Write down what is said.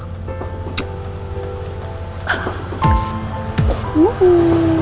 kita sepakat kita kerja sama